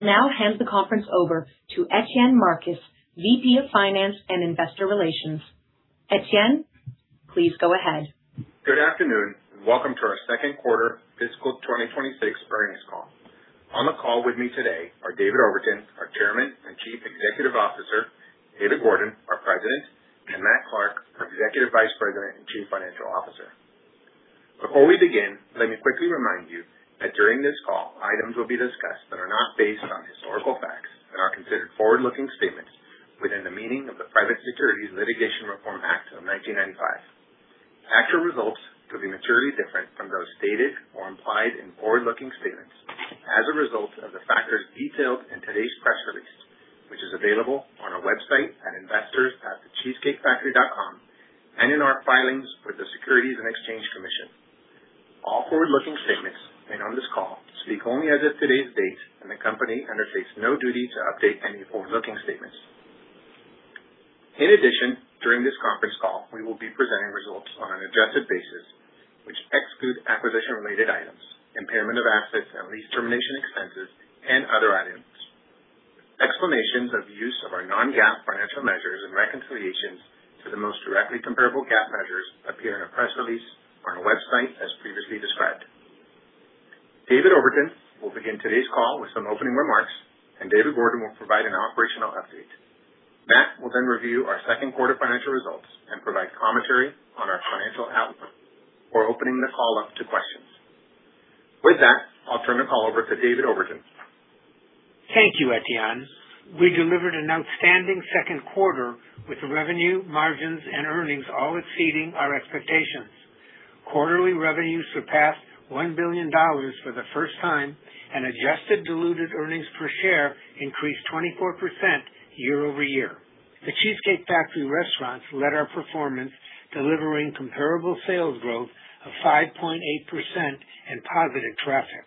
Now I'll hand the conference over to Etienne Marcus, VP of Finance and Investor Relations. Etienne, please go ahead. Good afternoon, welcome to our second quarter fiscal 2026 earnings call. On the call with me today are David Overton, our Chairman and Chief Executive Officer, David Gordon, our President, and Matt Clark, our Executive Vice President and Chief Financial Officer. Before we begin, let me quickly remind you that during this call, items will be discussed that are not based on historical facts David Overton will begin today's call with some opening remarks, David Gordon will provide an operational update. Matt will review our second quarter financial results and provide commentary on our financial outlook. We're opening the call up to questions. With that, I'll turn the call over to David Overton. Thank you, Etienne. We delivered an outstanding second quarter with revenue, margins, and earnings all exceeding our expectations. Quarterly revenue surpassed $1 billion for the first time, adjusted diluted earnings per share increased 24% year-over-year. The Cheesecake Factory restaurants led our performance, delivering comparable sales growth of 5.8% and positive traffic.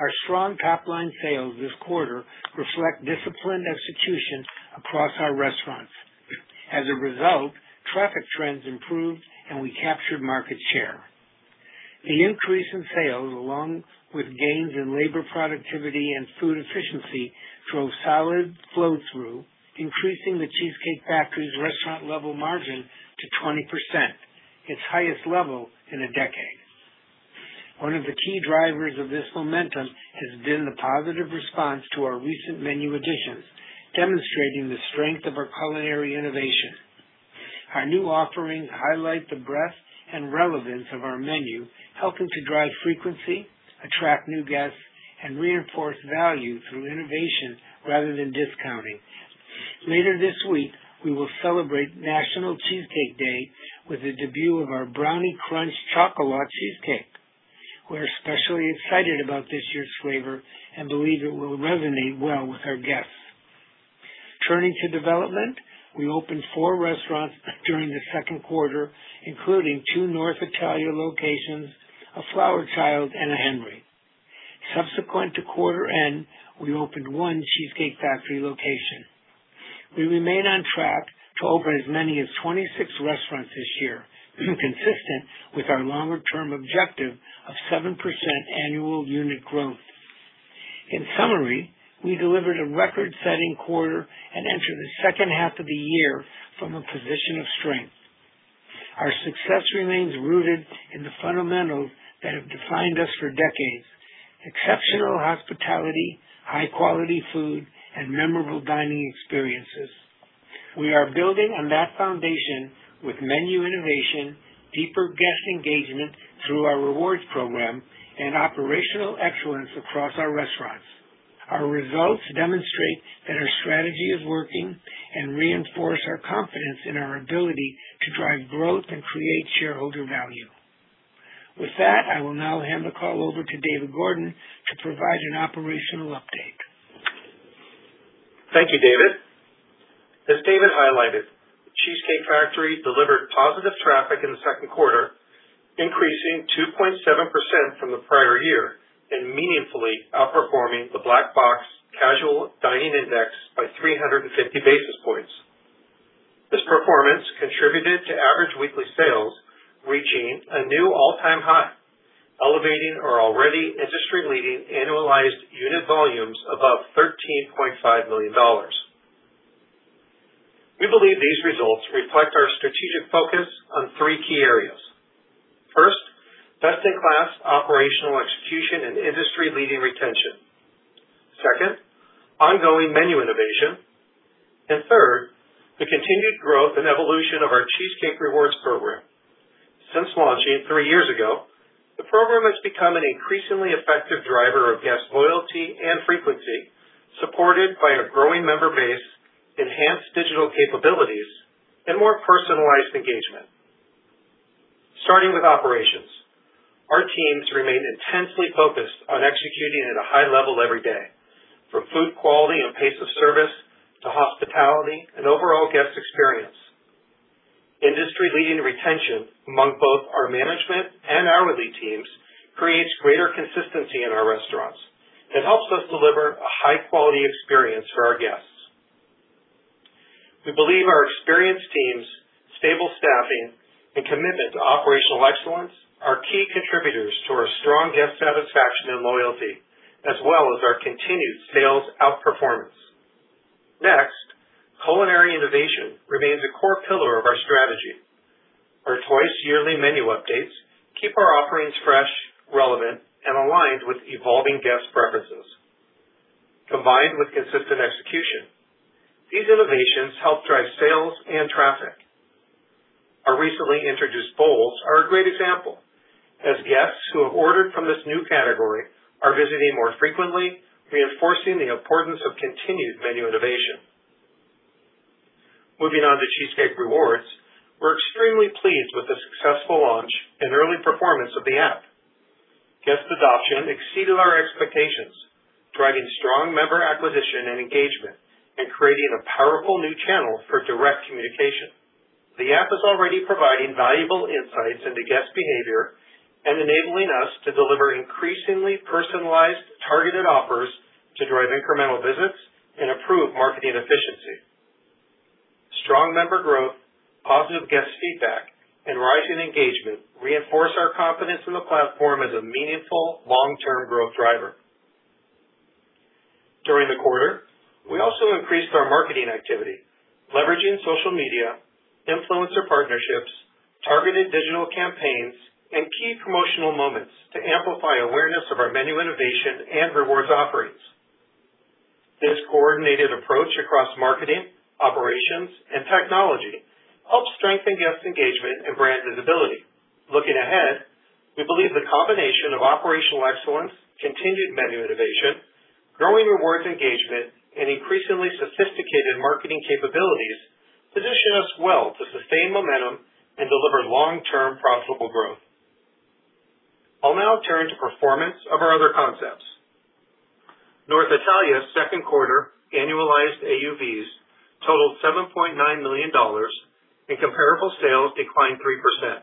Our strong top-line sales this quarter reflect disciplined execution across our restaurants. As a result, traffic trends improved, we captured market share. The increase in sales, along with gains in labor productivity and food efficiency, drove solid flow through, increasing The Cheesecake Factory's restaurant level margin to 20%, its highest level in a decade. One of the key drivers of this momentum has been the positive response to our recent menu additions, demonstrating the strength of our culinary innovation. Our new offerings highlight the breadth and relevance of our menu, helping to drive frequency, attract new guests, reinforce value through innovation rather than discounting. Later this week, we will celebrate National Cheesecake Day with the debut of our Brownie Crunch Choc-a-Lot Cheesecake. We're especially excited about this year's flavor and believe it will resonate well with our guests. Turning to development, we opened four restaurants during the second quarter, including two North Italia locations, a Flower Child, and a The Henry. Subsequent to quarter end, we opened one Cheesecake Factory location. We remain on track to open as many as 26 restaurants this year, consistent with our longer-term objective of 7% annual unit growth. In summary, we delivered a record-setting quarter and entered the second half of the year from a position of strength. Our success remains rooted in the fundamentals that have defined us for decades: exceptional hospitality, high-quality food, and memorable dining experiences. We are building on that foundation with menu innovation, deeper guest engagement through our rewards program, and operational excellence across our restaurants. Our results demonstrate that our strategy is working and reinforce our confidence in our ability to drive growth and create shareholder value. With that, I will now hand the call over to David Gordon to provide an operational update. Thank you, David. As David highlighted, The Cheesecake Factory delivered positive traffic in the second quarter, increasing 2.7% from the prior year and meaningfully outperforming the Black Box Casual Dining Index by 350 basis points. This performance contributed to average weekly sales reaching a new all-time high, elevating our already industry-leading annualized unit volumes above $13.5 million. We believe these results reflect our strategic focus on three key areas. First, best-in-class operational execution and industry-leading retention. Second, ongoing menu innovation. Third, the continued growth and evolution of our Cheesecake Rewards program. Since launching three years ago, the program has become an increasingly effective driver of guest loyalty and frequency, supported by a growing member base, enhanced digital capabilities, and more personalized engagement. Starting with operations. Our teams remain intensely focused on executing at a high level every day, from food quality and pace of service to hospitality and overall guest experience. Industry-leading retention among both our management and hourly teams creates greater consistency in our restaurants and helps us deliver a high-quality experience for our guests. We believe our experienced teams, stable staffing, and commitment to operational excellence are key contributors to our strong guest satisfaction and loyalty as well as our continued sales outperformance. Culinary innovation remains a core pillar of our strategy. Our twice-yearly menu updates keep our offerings fresh, relevant, and aligned with evolving guest preferences. Combined with consistent execution, these innovations help drive sales and traffic. Our recently introduced bowls are a great example, as guests who have ordered from this new category are visiting more frequently, reinforcing the importance of continued menu innovation. Cheesecake Rewards, we're extremely pleased with the successful launch and early performance of the app. Guest adoption exceeded our expectations, driving strong member acquisition and engagement and creating a powerful new channel for direct communication. The app is already providing valuable insights into guest behavior and enabling us to deliver increasingly personalized, targeted offers to drive incremental visits and improve marketing efficiency. Strong member growth, positive guest feedback, and rising engagement reinforce our confidence in the platform as a meaningful long-term growth driver. During the quarter, we also increased our marketing activity, leveraging social media, influencer partnerships, targeted digital campaigns, and key promotional moments to amplify awareness of our menu innovation and rewards offerings. This coordinated approach across marketing, operations, and technology helps strengthen guest engagement and brand visibility. Looking ahead, we believe the combination of operational excellence, continued menu innovation, growing rewards engagement, and increasingly sophisticated marketing capabilities position us well to sustain momentum and deliver long-term profitable growth. I'll now turn to performance of our other concepts. North Italia's second quarter annualized AUVs totaled $7.9 million, and comparable sales declined 3%.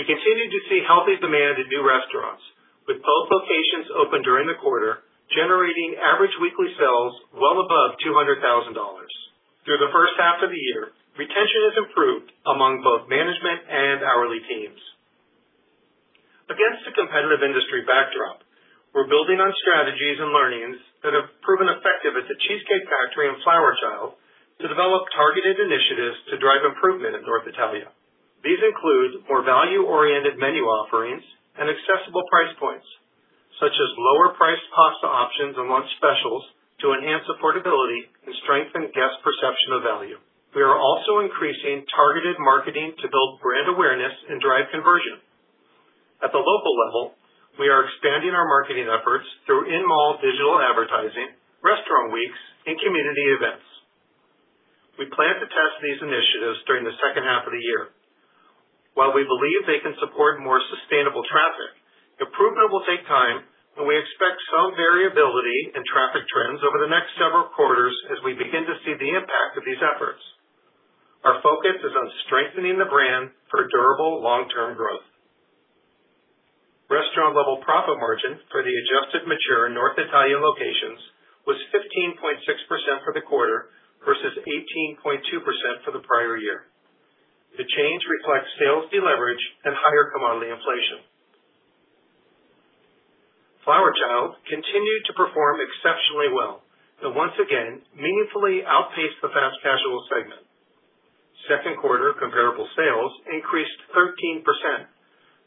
We continue to see healthy demand at new restaurants, with both locations open during the quarter, generating average weekly sales well above $200,000. Through the first half of the year, retention has improved among both management and hourly teams. Against the competitive industry backdrop, we're building on strategies and learnings that have proven effective at The Cheesecake Factory and Flower Child to develop targeted initiatives to drive improvement at North Italia. These include more value-oriented menu offerings and accessible price points, such as lower-priced pasta options and lunch specials to enhance affordability and strengthen guest perception of value. We are also increasing targeted marketing to build brand awareness and drive conversion. At the local level, we are expanding our marketing efforts through in-mall digital advertising, restaurant weeks, and community events. We plan to test these initiatives during the second half of the year. We believe they can support more sustainable traffic, improvement will take time, and we expect some variability in traffic trends over the next several quarters as we begin to see the impact of these efforts. Our focus is on strengthening the brand for durable long-term growth. Restaurant level profit margin for the adjusted mature North Italia locations was 15.6% for the quarter versus 18.2% for the prior year. The change reflects sales deleverage and higher commodity inflation. Flower Child continued to perform exceptionally well and once again meaningfully outpaced the fast casual segment. Second quarter comparable sales increased 13%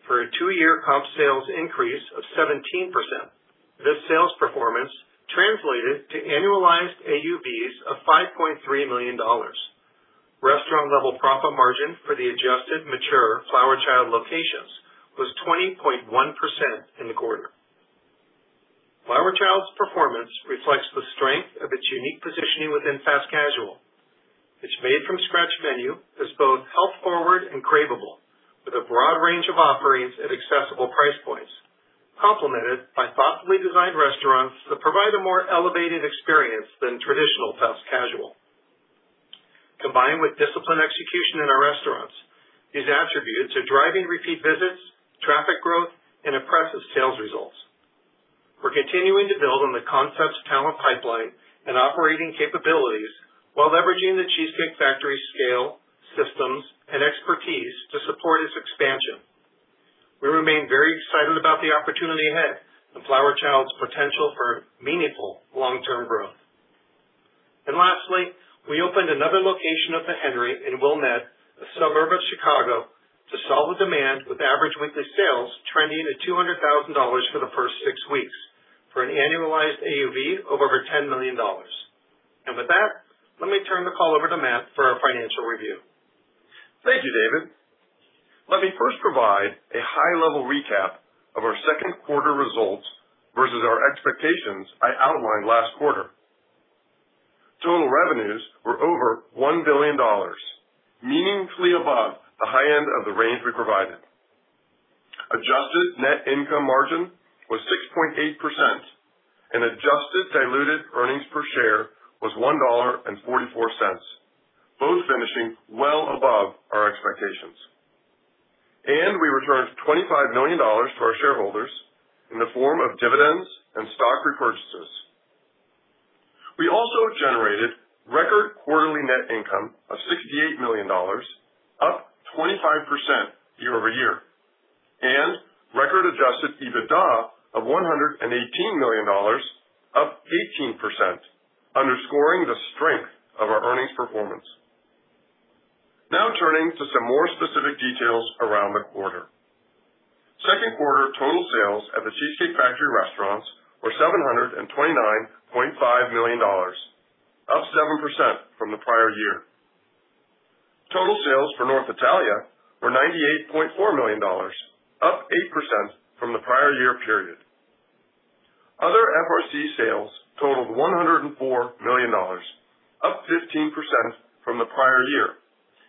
for a two-year comp sales increase of 17%. This sales performance translated to annualized AUVs of $5.3 million. Restaurant level profit margin for the adjusted mature Flower Child locations was 20.1% in the quarter. Flower Child's performance reflects the strength of its unique positioning within fast casual. Its made-from-scratch menu is both health-forward and craveable, with a broad range of offerings at accessible price points, complemented by thoughtfully designed restaurants that provide a more elevated experience than traditional fast casual. Combined with disciplined execution in our restaurants, these attributes are driving repeat visits, traffic growth, and impressive sales results. We're continuing to build on the concept's talent pipeline and operating capabilities while leveraging The Cheesecake Factory's scale, systems, and expertise to support its expansion. We remain very excited about the opportunity ahead and Flower Child's potential for meaningful long-term growth. Lastly, we opened another location of The Henry in Wilmette, a suburb of Chicago, to solve a demand with average weekly sales trending at $200,000 for the first six weeks, for an annualized AUV of over $10 million. With that, let me turn the call over to Matt for our financial review. Thank you, David. Let me first provide a high-level recap of our second quarter results versus our expectations I outlined last quarter. Total revenues were over $1 billion, meaningfully above the high end of the range we provided. Adjusted net income margin was 6.8%, and adjusted diluted earnings per share was $1.44, both finishing well above our expectations. We returned $25 million to our shareholders in the form of dividends and stock repurchases. We also generated record quarterly net income of $68 million, up 25% year-over-year, and record adjusted EBITDA of $118 million, up 18%, underscoring the strength of our earnings performance. Turning to some more specific details around the quarter. Second quarter total sales at The Cheesecake Factory restaurants were $729.5 million, up 7% from the prior year. Total sales for North Italia were $98.4 million, up 8% from the prior year period. Other FRC sales totaled $104 million, up 15% from the prior year,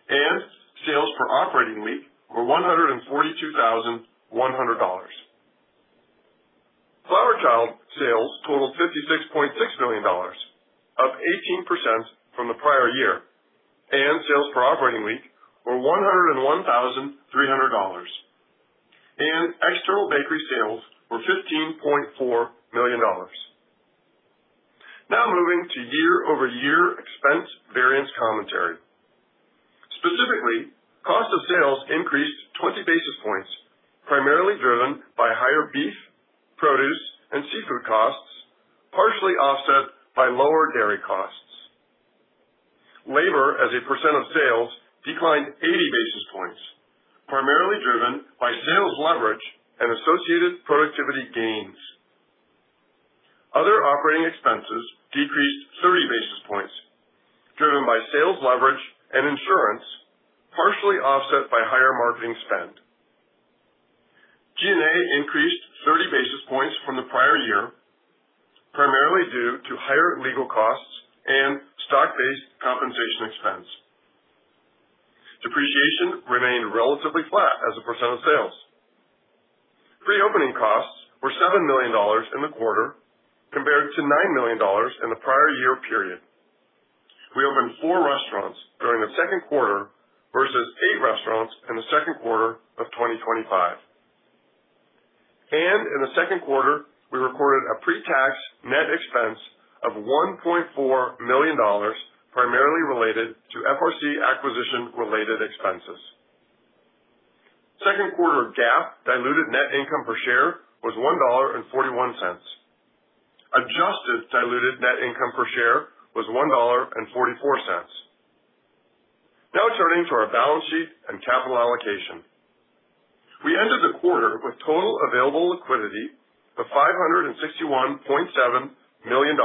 and sales per operating week were $142,100. Flower Child sales totaled $56.6 million, up 18% from the prior year, and sales per operating week were $101,300. External bakery sales were $15.4 million. Moving to year-over-year expense variance commentary. Specifically, cost of sales increased 20 basis points, primarily driven by higher beef, produce, and seafood costs, partially offset by lower dairy costs. Labor as a percent of sales declined 80 basis points, primarily driven by sales leverage and associated productivity gains. Other operating expenses decreased 30 basis points, driven by sales leverage and insurance, partially offset by higher marketing spend. G&A increased 30 basis points from the prior year, primarily due to higher legal costs and stock-based compensation expense. Depreciation remained relatively flat as a percent of sales. Pre-opening costs were $7 million in the quarter, compared to $9 million in the prior year period. We opened four restaurants during the second quarter versus eight restaurants in the second quarter of 2025. In the second quarter, we recorded a pre-tax net expense of $1.4 million, primarily related to FRC acquisition-related expenses. Second quarter GAAP diluted net income per share was $1.41. Adjusted diluted net income per share was $1.44. Now turning to our balance sheet and capital allocation. We ended the quarter with total available liquidity of $561.7 million,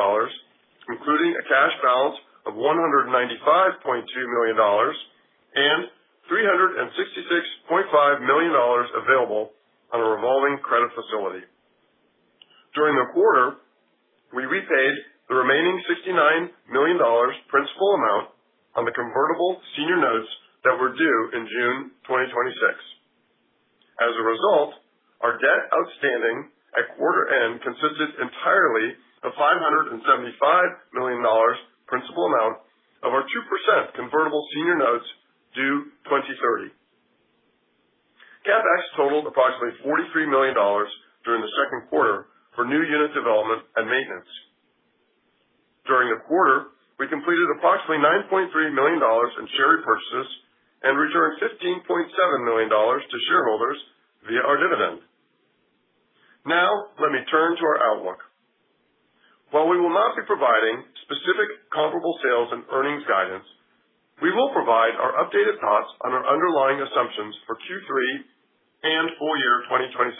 including a cash balance of $195.2 million and $366.5 million available on a revolving credit facility. During the quarter, we repaid the remaining $69 million principal amount on the convertible senior notes that were due in June 2026. As a result, our debt outstanding at quarter end consisted entirely of $575 million principal amount of our 2% convertible senior notes due 2030. CapEx totaled approximately $43 million during the second quarter for new unit development and maintenance. During the quarter, we completed approximately $9.3 million in share repurchases and returned $15.7 million to shareholders via our dividend. Now let me turn to our outlook. While we will not be providing specific comparable sales and earnings guidance, we will provide our updated thoughts on our underlying assumptions for Q3 and full year 2026.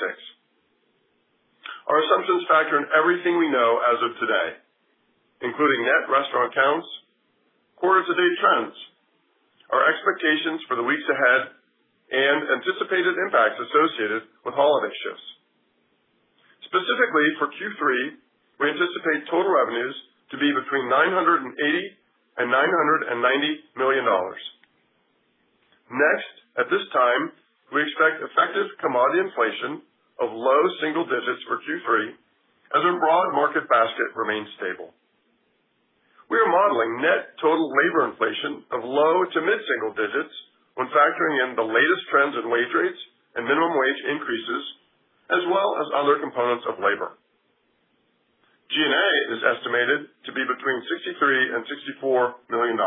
Our assumptions factor in everything we know as of today, including net restaurant counts, quarter to date trends, our expectations for the weeks ahead, and anticipated impacts associated with holiday shifts. Specifically for Q3, we anticipate total revenues to be between $980 million and $990 million. At this time, we expect effective commodity inflation of low-single digits for Q3 as our broad market basket remains stable. We are modeling net total labor inflation of low- to mid-single digits when factoring in the latest trends in wage rates and minimum wage increases, as well as other components of labor. G&A is estimated to be between $63 million and $64 million.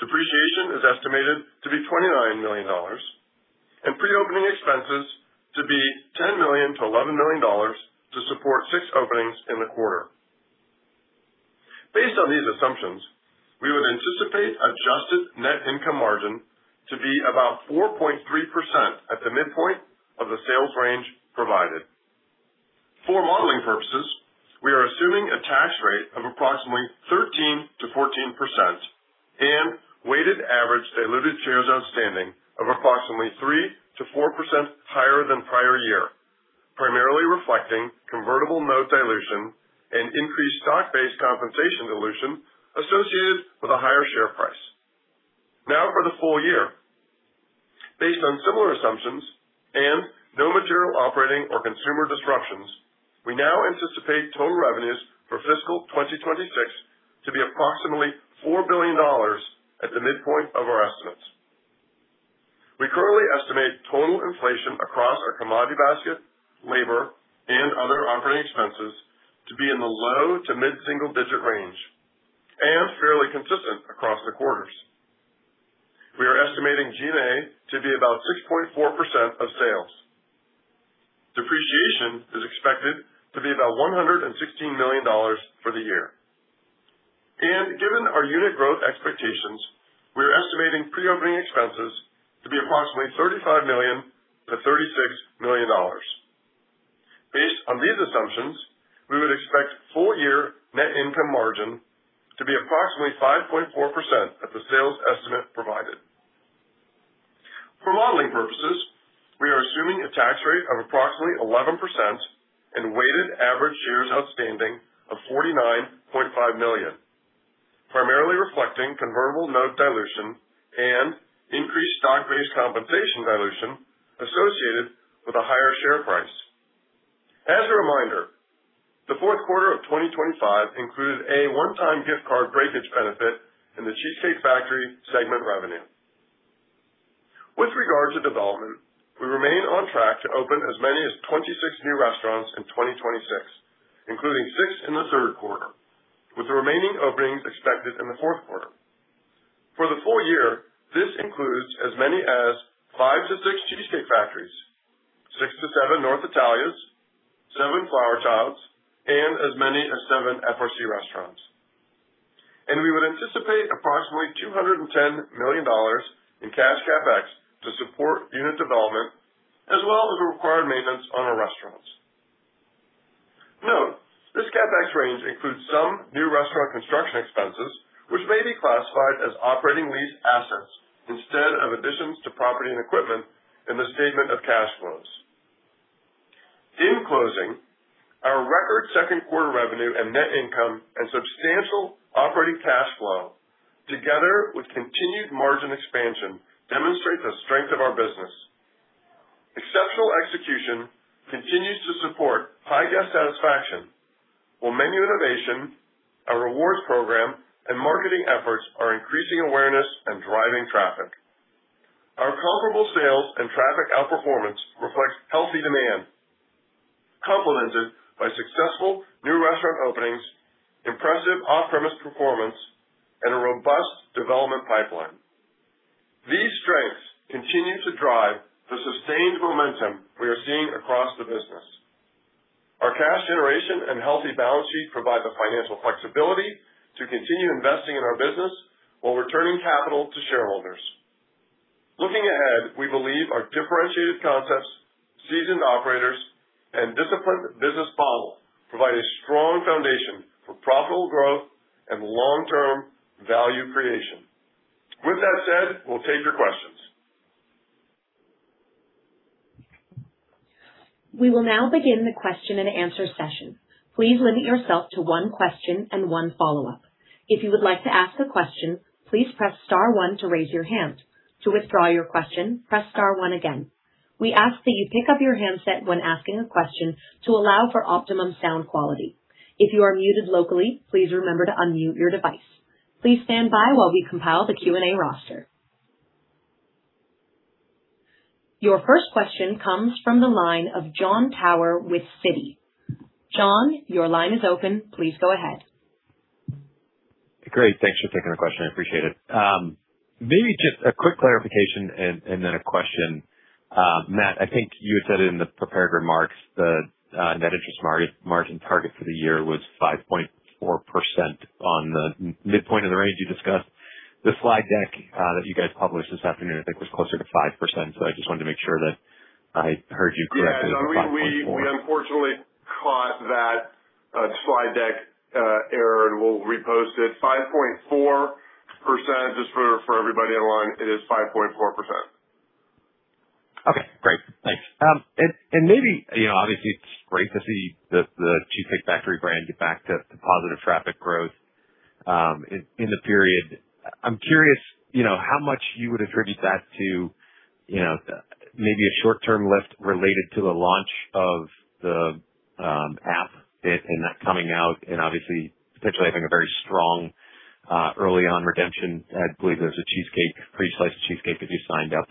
Depreciation is estimated to be $29 million and pre-opening expenses to be $10 million-$11 million to support six openings in the quarter. Based on these assumptions, we would anticipate adjusted net income margin to be about 4.3% at the midpoint of the sales range provided. For modeling purposes, we are assuming a tax rate of approximately 13%-14% and weighted average diluted shares outstanding of approximately 3%-4% higher than prior year, primarily reflecting convertible note dilution and increased stock-based compensation dilution associated with a higher share price. Now for the full year. Based on similar assumptions and no material operating or consumer disruptions, we now anticipate total revenues for fiscal 2026 to be approximately $4 billion at the midpoint of our estimates. We currently estimate total inflation across our commodity basket, labor, and other operating expenses to be in the low to mid-single digit range and fairly consistent across the quarters. We are estimating G&A to be about 6.4% of sales. Depreciation is expected to be about $116 million for the year. Given our unit growth expectations, we are estimating pre-opening expenses to be approximately $35 million-$36 million. Based on these assumptions, we would expect full-year net income margin to be approximately 5.4% at the sales estimate provided. For modeling purposes, we are assuming a tax rate of approximately 11% and weighted average shares outstanding of 49.5 million, primarily reflecting convertible note dilution and increased stock-based compensation dilution associated with a higher share price. As a reminder, the fourth quarter of 2025 included a one-time gift card breakage benefit in The Cheesecake Factory segment revenue. With regard to development, we remain on track to open as many as 26 new restaurants in 2026, including six in the third quarter, with the remaining openings expected in the fourth quarter. For the full year, this includes as many as five to six Cheesecake Factories, six to seven North Italia, seven Flower Childs, and as many as seven FRC restaurants. We would anticipate approximately $210 million in cash CapEx to support unit development, as well as the required maintenance on our restaurants. Note, this CapEx range includes some new restaurant construction expenses, which may be classified as operating lease assets instead of additions to property and equipment in the statement of cash flows. In closing, our record second quarter revenue and net income and substantial operating cash flow, together with continued margin expansion, demonstrate the strength of our business. Exceptional execution continues to support high guest satisfaction, while menu innovation, our rewards program, and marketing efforts are increasing awareness and driving traffic. Our comparable sales and traffic outperformance reflects healthy demand, complemented by successful new restaurant openings, impressive off-premise performance, and a robust development pipeline. These strengths continue to drive the sustained momentum we are seeing across the business. Our cash generation and healthy balance sheet provide the financial flexibility to continue investing in our business while returning capital to shareholders. Looking ahead, we believe our differentiated concepts, seasoned operators, and disciplined business model provide a strong foundation for profitable growth and long-term value creation. With that said, we will take your questions. We will now begin the question and answer session. Please limit yourself to one question and one follow-up. If you would like to ask a question, please press star one to raise your hand. To withdraw your question, press star one again. We ask that you pick up your handset when asking a question to allow for optimum sound quality. If you are muted locally, please remember to unmute your device. Please stand by while we compile the Q&A roster. Your first question comes from the line of Jon Tower with Citi. Jon, your line is open. Please go ahead. Great. Thanks for taking the question. I appreciate it. Maybe just a quick clarification and then a question. Matt, I think you had said in the prepared remarks the net interest margin target for the year was 5.4% on the midpoint of the range you discussed. The slide deck that you guys published this afternoon I think was closer to 5%. I just wanted to make sure that I heard you correctly with the 5.4%? Yeah. No, we unfortunately caught that slide deck error, and we'll repost it. 5.4%, just for everybody on the line, it is 5.4%. Okay, great. Thanks. Obviously, it's great to see The Cheesecake Factory brand get back to positive traffic growth in the period. I'm curious how much you would attribute that to maybe a short-term lift related to the launch of the app and that coming out and obviously potentially having a very strong early on redemption. I believe there was a free slice of cheesecake if you signed up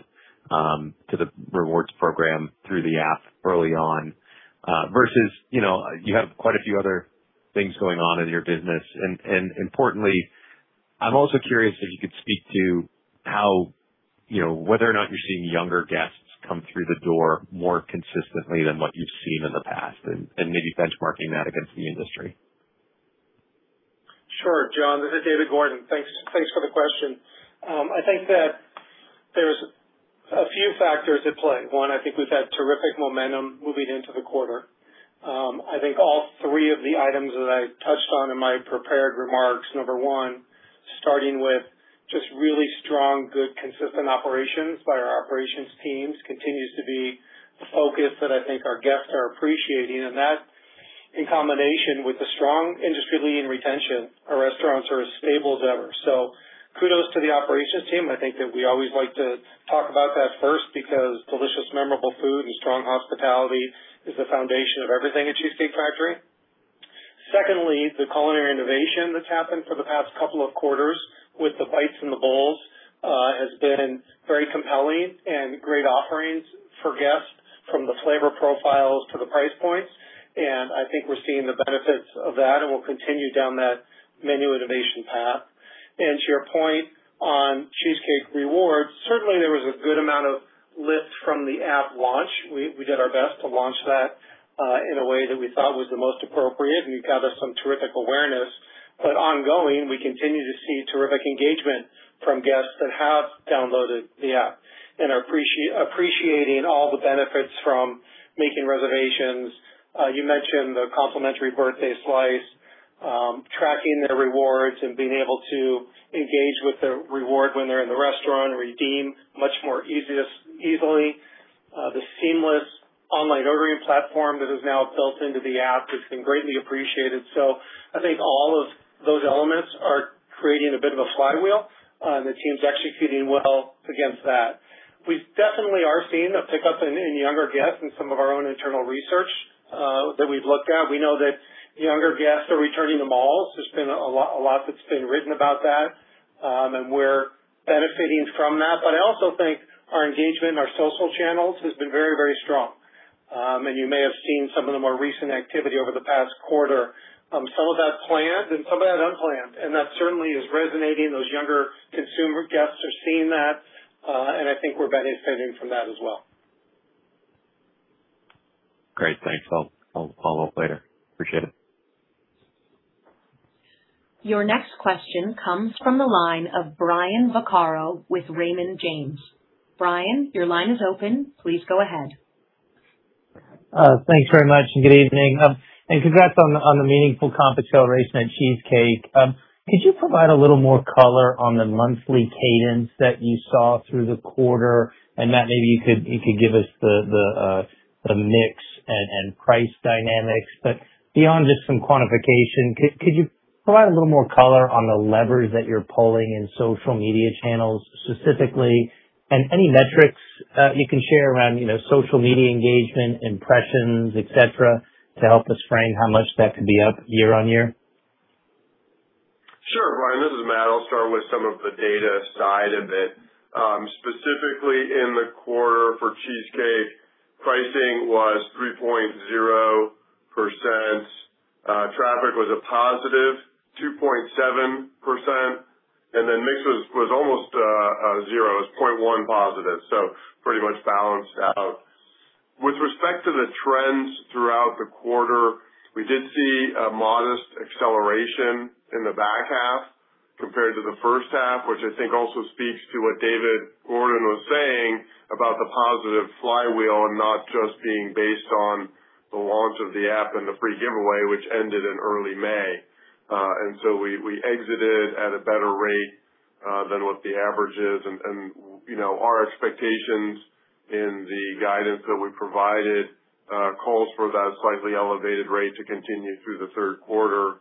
to the rewards program through the app early on. Versus you have quite a few other things going on in your business. Importantly, I'm also curious if you could speak to whether or not you're seeing younger guests come through the door more consistently than what you've seen in the past and maybe benchmarking that against the industry? Sure, Jon, this is David Gordon. Thanks for the question. I think that there's a few factors at play. One, I think we've had terrific momentum moving into the quarter. I think all three of the items that I touched on in my prepared remarks, number one, starting with just really strong, good, consistent operations by our operations teams continues to be the focus that I think our guests are appreciating, and that in combination with the strong industry-leading retention, our restaurants are as stable as ever. Kudos to the operations team. I think that we always like to talk about that first because delicious, memorable food and strong hospitality is the foundation of everything at The Cheesecake Factory. Secondly, the culinary innovation that's happened for the past couple of quarters with the Bites and the Bowls, has been very compelling and great offerings for guests from the flavor profiles to the price points. I think we're seeing the benefits of that, and we'll continue down that menu innovation path. To your point on Cheesecake Rewards, certainly there was a good amount of lift from the app launch. We did our best to launch that, in a way that we thought was the most appropriate, and we gathered some terrific awareness. Ongoing, we continue to see terrific engagement from guests that have downloaded the app and are appreciating all the benefits from making reservations. You mentioned the complimentary birthday slice, tracking their rewards and being able to engage with the reward when they're in the restaurant or redeem much more easily. The seamless online ordering platform that is now built into the app has been greatly appreciated. I think all of those elements are creating a bit of a flywheel, and the team's executing well against that. We definitely are seeing a pickup in younger guests in some of our own internal research, that we've looked at. We know that younger guests are returning to malls. There's been a lot that's been written about that, and we're benefiting from that. I also think our engagement in our social channels has been very strong. You may have seen some of the more recent activity over the past quarter, some of that planned and some of that unplanned, that certainly is resonating. Those younger consumer guests are seeing that, I think we're benefiting from that as well. Great. Thanks. I'll follow up later. Appreciate it. Your next question comes from the line of Brian Vaccaro with Raymond James. Brian, your line is open. Please go ahead. Thanks very much. Good evening. Congrats on the meaningful comp acceleration at Cheesecake. Could you provide a little more color on the monthly cadence that you saw through the quarter? Matt, maybe you could give us the mix and price dynamics. Beyond just some quantification, could you provide a little more color on the levers that you're pulling in social media channels specifically and any metrics you can share around social media engagement, impressions, etc., to help us frame how much that could be up year-over-year? Sure, Brian, this is Matt. I'll start with some of the data side of it. Specifically in the quarter for Cheesecake, pricing was 3.0%, traffic was a +2.7%, mix was almost zero. It was 0.1%+, so pretty much balanced out. With respect to the trends throughout the quarter, we did see a modest acceleration in the back half compared to the first half, which I think also speaks to what David Gordon was saying about the positive flywheel and not just being based on the launch of the app and the free giveaway, which ended in early May. We exited at a better rate than what the average is. Our expectations in the guidance that we provided, calls for that slightly elevated rate to continue through the third quarter.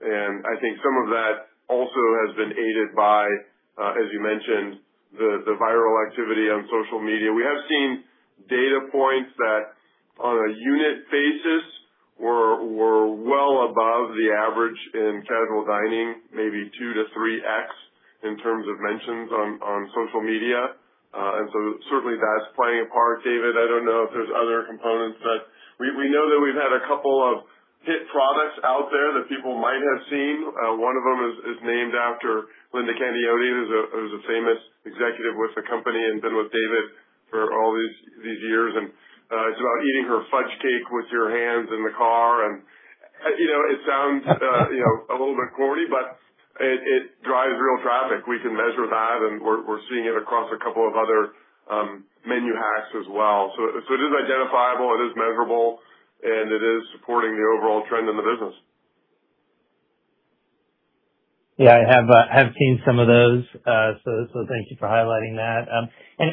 I think some of that also has been aided by, as you mentioned, the viral activity on social media. We have seen data points that, on a unit basis, were well above the average in casual dining, maybe 2x-3x in terms of mentions on social media. Certainly that's playing a part. David, I don't know if there's other components, but we know that we've had a couple of hit products out there that people might have seen. One of them is named after Linda Candiotti, who's a famous executive with the company and been with David for all these years. It's about eating her fudge cake with your hands in the car. It sounds a little bit corny, but it drives real traffic. We can measure that, and we're seeing it across a couple of other menu hacks as well. It is identifiable, it is measurable, and it is supporting the overall trend in the business. Yeah, I have seen some of those. Thank you for highlighting that.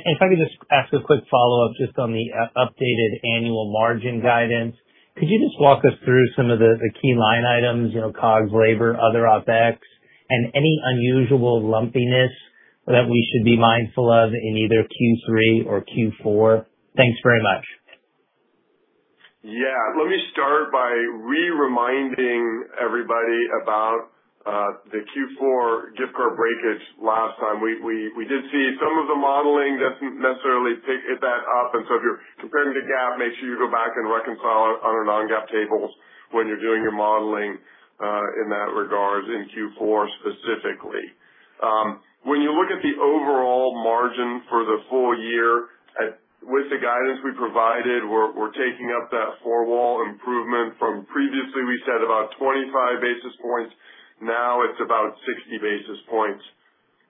If I could just ask a quick follow-up just on the updated annual margin guidance. Could you just walk us through some of the key line items, COGS, labor, other OpEx, and any unusual lumpiness that we should be mindful of in either Q3 or Q4? Thanks very much. Yeah. Let me start by re-reminding everybody about the Q4 gift card breakage last time. We did see some of the modeling doesn't necessarily pick that up. If you're comparing to GAAP, make sure you go back and reconcile it on our non-GAAP tables when you're doing your modeling, in that regard, in Q4 specifically. When you look at the overall margin for the full year, with the guidance we provided, we're taking up that four-wall improvement from previously we said about 25 basis points. Now it's about 60 basis points.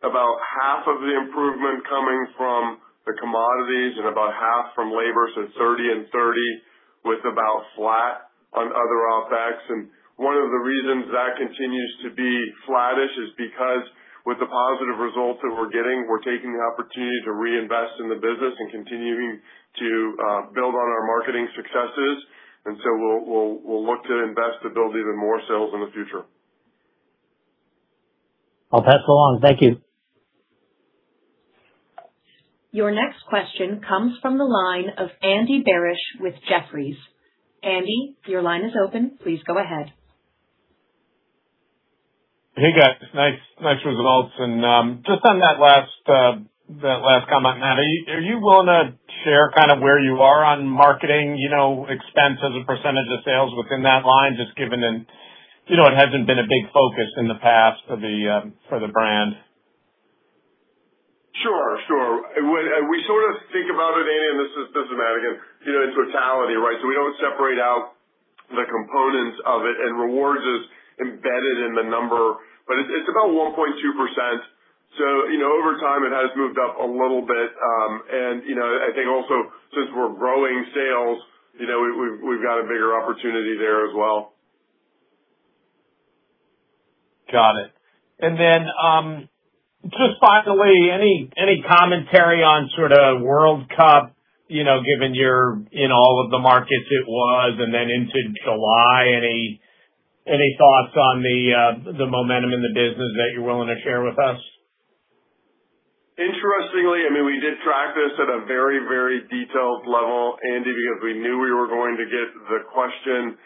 About half of the improvement coming from the commodities and about half from labor, so 30 and 30 with about flat on other OpEx. One of the reasons that continues to be flattish is because with the positive results that we're getting, we're taking the opportunity to reinvest in the business and continuing to build on our marketing successes. We'll look to invest to build even more sales in the future. I'll pass along. Thank you. Your next question comes from the line of Andy Barish with Jefferies. Andy, your line is open. Please go ahead. Hey, guys. Nice results. Just on that last comment, Matt, are you willing to share where you are on marketing expense as a percentage of sales within that line, just given it hasn't been a big focus in the past for the brand? Sure. We think about it, Andy, and this is systematic and in totality, right? We don't separate out the components of it, and Cheesecake Rewards is embedded in the number, but it's about 1.2%. Over time, it has moved up a little bit. I think also since we're growing sales, we've got a bigger opportunity there as well. Got it. Just finally, any commentary on World Cup, given you're in all of the markets it was, then into July? Interestingly, we did track this at a very detailed level, Andy, because we knew we were going to get the question.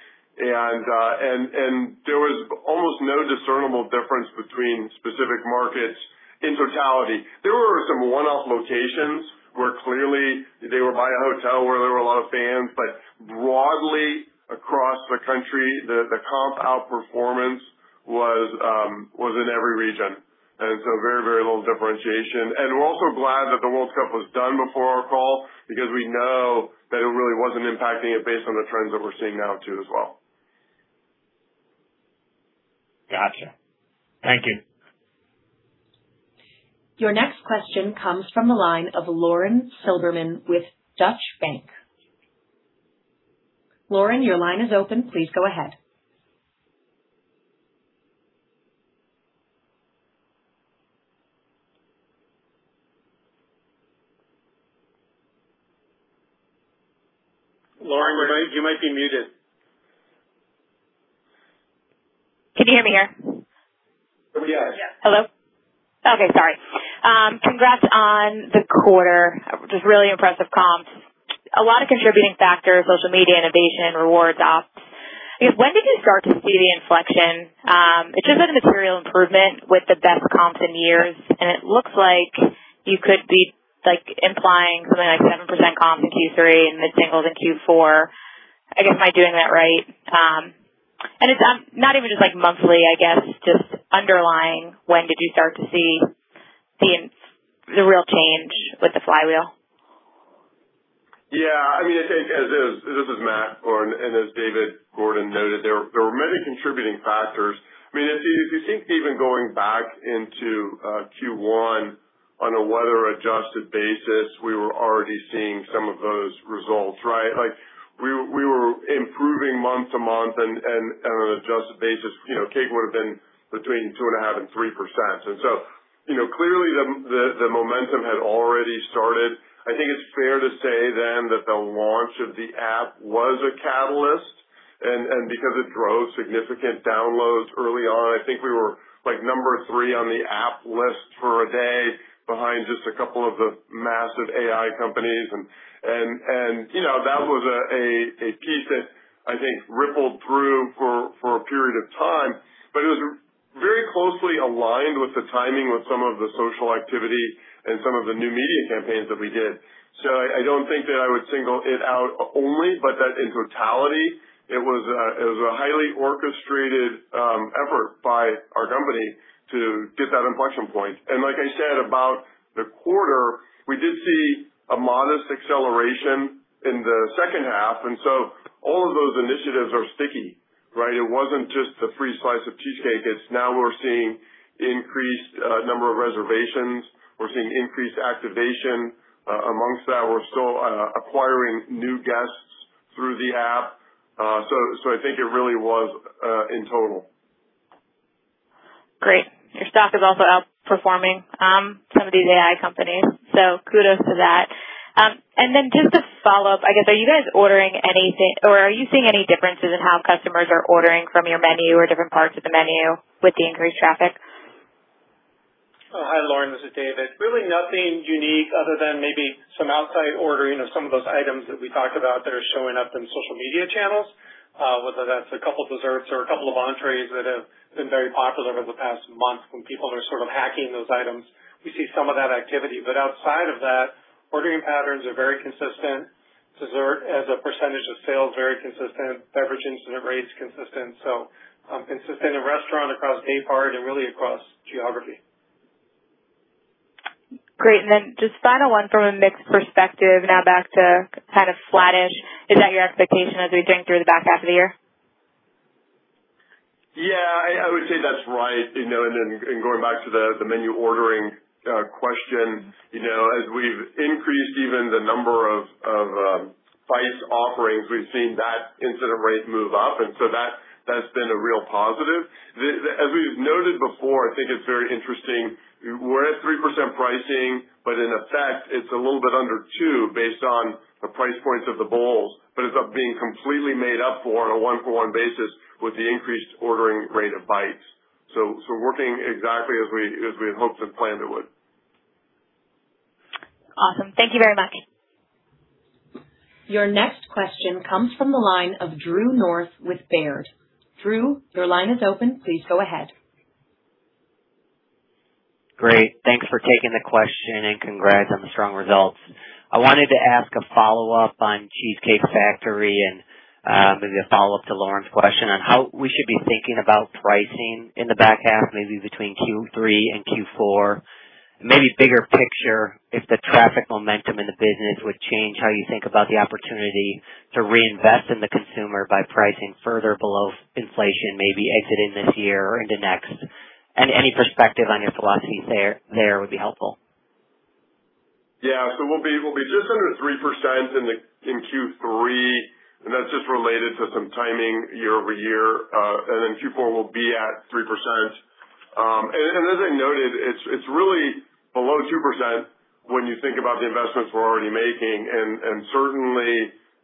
There was almost no discernible difference between specific markets in totality. There were some one-off locations where clearly they were by a hotel where there were a lot of fans. Broadly across the country, the comp outperformance was in every region. Very little differentiation. We're also glad that the World Cup was done before our call because we know that it really wasn't impacting it based on the trends that we're seeing now too as well. Got you. Thank you. Your next question comes from the line of Lauren Silberman with Deutsche Bank. Lauren, your line is open. Please go ahead. Lauren, you might be muted. Can you hear me here? Yes. Hello. Okay, sorry. Congrats on the quarter. Really impressive comps. A lot of contributing factors, social media, innovation, Cheesecake Rewards, ops. When did you start to see the inflection? It's been a material improvement with the best comps in years, and it looks like you could be implying something like 7% comps in Q3 and mid-singles in Q4. I guess, am I doing that right? It's not even just monthly, I guess, just underlying, when did you start to see the real change with the flywheel? This is Matt, Lauren. As David Gordon noted, there were many contributing factors. If you think even going back into Q1 on a weather-adjusted basis, we were already seeing some of those results, right? We were improving month-over-month on an adjusted basis. Cake would have been between 2.5% and 3%. Clearly the momentum had already started. I think it's fair to say that the launch of the app was a catalyst because it drove significant downloads early on. I think we were number three on the app list for a day behind just a couple of the massive AI companies. That was a piece that I think rippled through for a period of time. It was very closely aligned with the timing with some of the social activity and some of the new media campaigns that we did. I don't think that I would single it out only, but that in totality, it was a highly orchestrated effort by our company to get that inflection point. Like I said about the quarter, we did see a modest acceleration in the second half. All of those initiatives are sticky, right? It wasn't just the free slice of cheesecake. It's now we're seeing increased number of reservations. We're seeing increased activation. Amongst that, we're still acquiring new guests through the app. I think it really was in total. Great. Your stock is also outperforming some of these AI companies, so kudos to that. Just a follow-up, I guess, are you seeing any differences in how customers are ordering from your menu or different parts of the menu with the increased traffic? Hi, Lauren, this is David. Really nothing unique other than maybe some outside ordering of some of those items that we talked about that are showing up in social media channels. Whether that's a couple of desserts or a couple of entrees that have been very popular over the past month when people are sort of hacking those items. We see some of that activity. Outside of that, ordering patterns are very consistent. Dessert as a percentage of sales, very consistent. Beverage incident rate is consistent. Consistent in restaurant across day part and really across geography. Great. Just final one from a mix perspective, now back to flattish. Is that your expectation as we drink through the back half of the year? Yeah, I would say that's right. Going back to the menu ordering question. As we've increased even the number of Bites offerings, we've seen that incident rate move up, that's been a real positive. As we've noted before, I think it's very interesting. We're at 3% pricing, in effect, it's a little bit under 2% based on the price points of the bowls. It's being completely made up for on a one-for-one basis with the increased ordering rate of Bites. Working exactly as we had hoped and planned it would. Awesome. Thank you very much. Your next question comes from the line of Drew North with Baird. Drew, your line is open. Please go ahead. Great. Thanks for taking the question and congrats on the strong results. I wanted to ask a follow-up on The Cheesecake Factory and maybe a follow-up to Lauren's question on how we should be thinking about pricing in the back half, maybe between Q3 and Q4. Maybe bigger picture, if the traffic momentum in the business would change how you think about the opportunity to reinvest in the consumer by pricing further below inflation, maybe exiting this year or into next? Any perspective on your philosophy there would be helpful. We'll be just under 3% in Q3, and that's just related to some timing year-over-year. Q4 will be at 3%. As I noted, it's really below 2% when you think about the investments we're already making. Certainly,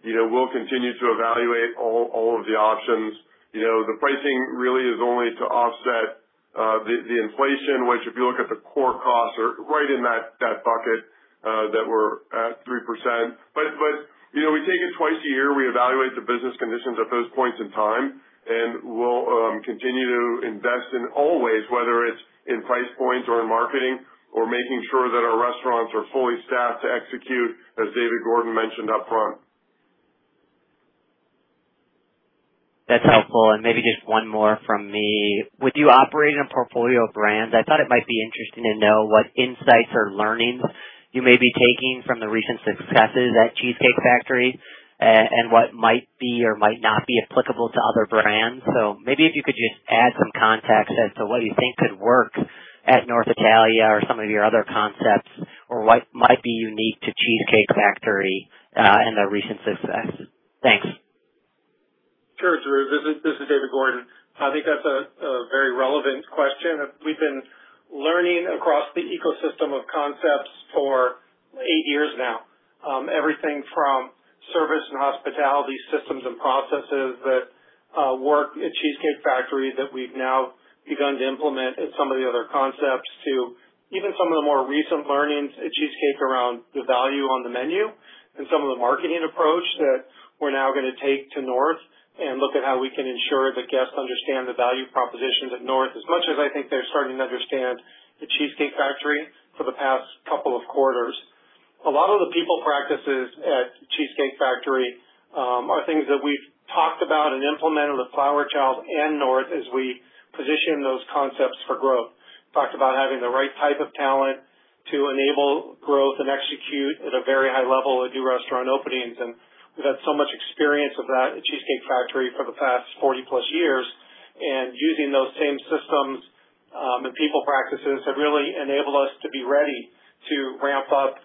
we'll continue to evaluate all of the options. The pricing really is only to offset the inflation, which, if you look at the core costs, are right in that bucket that we're at 3%. We take it twice a year. We evaluate the business conditions at those points in time. We'll continue to invest in all ways, whether it's in price points or in marketing or making sure that our restaurants are fully staffed to execute, as David Gordon mentioned upfront. That's helpful. Maybe just one more from me. With you operating a portfolio of brands, I thought it might be interesting to know what insights or learnings you may be taking from the recent successes at The Cheesecake Factory and what might be or might not be applicable to other brands? Maybe if you could just add some context as to what you think could work at North Italia or some of your other concepts or what might be unique to The Cheesecake Factory and their recent success? Thanks. Sure, Drew. This is David Gordon. I think that's a very relevant question. We've been learning across the ecosystem of concepts for eight years now. Everything from service and hospitality systems and processes that work at The Cheesecake Factory that we've now begun to implement in some of the other concepts to even some of the more recent learnings at Cheesecake around the value on the menu and some of the marketing approach that we're now going to take to North and look at how we can ensure that guests understand the value propositions at North as much as I think they're starting to understand at The Cheesecake Factory for the past couple of quarters. A lot of the people practices at The Cheesecake Factory are things that we've talked about and implemented with Flower Child and North as we position those concepts for growth. Talked about having the right type of talent to enable growth and execute at a very high level at new restaurant openings. We've had so much experience with that at The Cheesecake Factory for the past 40+ years. Using those same systems and people practices have really enabled us to be ready to ramp up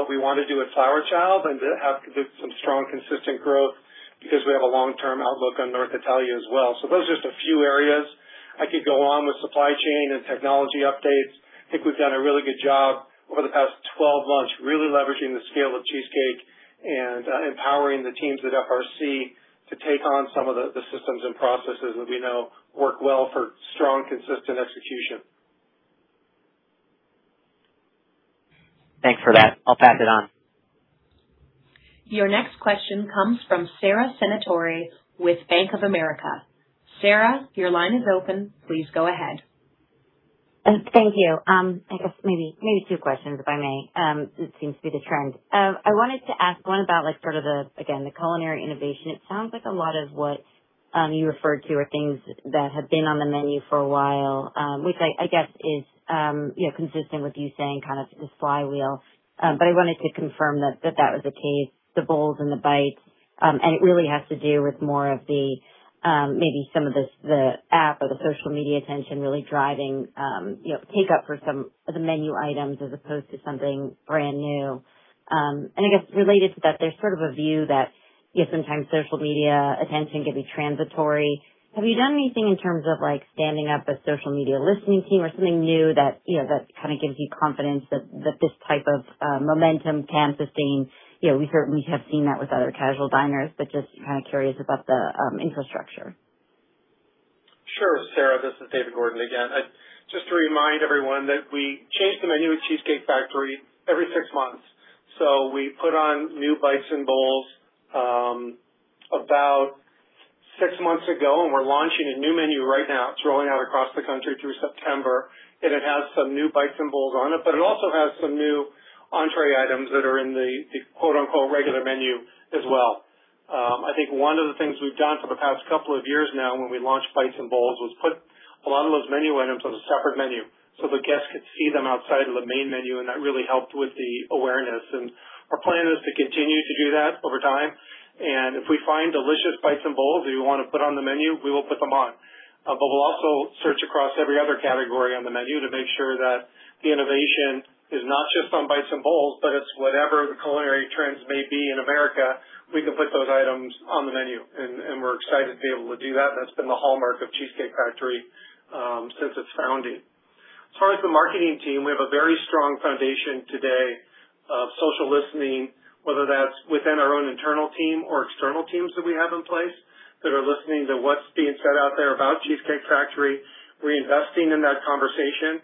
what we want to do with Flower Child and to have some strong, consistent growth because we have a long-term outlook on North Italia as well. Those are just a few areas. I could go on with supply chain and technology updates. I think we've done a really good job over the past 12 months, really leveraging the scale of Cheesecake and empowering the teams at FRC to take on some of the systems and processes that we know work well for strong, consistent execution. Thanks for that. I'll pass it on. Your next question comes from Sara Senatore with Bank of America. Sara, your line is open. Please go ahead. Thank you. I guess maybe two questions, if I may. It seems to be the trend. I wanted to ask one about the, again, the culinary innovation. It sounds like a lot of what you referred to are things that have been on the menu for a while which I guess is consistent with you saying kind of this flywheel. I wanted to confirm that that was the case, the Bowls and the Bites. It really has to do with more of the, maybe some of the app or the social media attention really driving take up for some of the menu items as opposed to something brand new. I guess related to that, there's sort of a view that sometimes social media attention can be transitory. Have you done anything in terms of standing up a social media listening team or something new that kind of gives you confidence that this type of momentum can sustain? We certainly have seen that with other casual diners, but just kind of curious about the infrastructure? Sure, Sara, this is David Gordon again. Just to remind everyone that we change the menu at The Cheesecake Factory every six months. We put on new Bites and Bowls about six months ago, and we're launching a new menu right now. It's rolling out across the country through September. It has some new Bites and Bowls on it. It also has some new entree items that are in the "regular menu" as well. I think one of the things we've done for the past couple of years now when we launched Bites and Bowls was put a lot of those menu items on a separate menu so the guests could see them outside of the main menu. That really helped with the awareness. Our plan is to continue to do that over time. If we find delicious Bites and Bowls that we want to put on the menu, we will put them on. We'll also search across every other category on the menu to make sure that the innovation is not just on Bites and Bowls. It's whatever the culinary trends may be in America. We can put those items on the menu. We're excited to be able to do that. That's been the hallmark of The Cheesecake Factory since its founding. As far as the marketing team, we have a very strong foundation today of social listening, whether that's within our own internal team or external teams that we have in place. That are listening to what's being said out there about The Cheesecake Factory, we're investing in that conversation